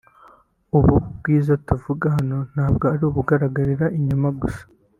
ubu bwiza tuvuga hano ntabwo ari ubugaragarira inyuma gusa